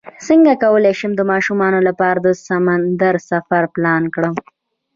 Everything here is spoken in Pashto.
څنګه کولی شم د ماشومانو لپاره د سمندر سفر پلان کړم